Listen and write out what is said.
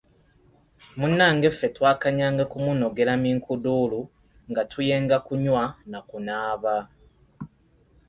Munnange ffe twakanyanga kumunogera minkuduulu nga tuyenga kunywa na kunaaba.